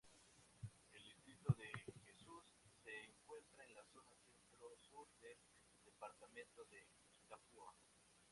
El distrito de Jesús se encuentra en la zona centro-sur del departamento de Itapúa.